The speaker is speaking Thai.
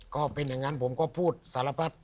ก็เป็นอย่างนั้นผมก็พูดสารพัด